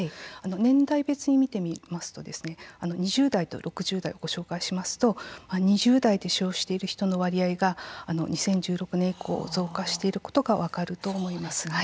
年代別に見てみますと２０代と６０代をご紹介しますと２０代で使用している人の割合が２０１６年以降増加していることが分かると思います。